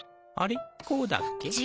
あれこうだっけ？